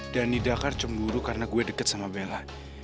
dani dakar cemburu karena gue deket sama bella